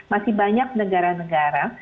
masih banyak negara negara